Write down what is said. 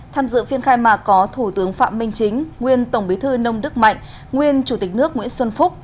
tham dự phiên khai mạc có thủ tướng phạm minh chính nguyên tổng bí thư nông đức mạnh nguyên chủ tịch nước nguyễn xuân phúc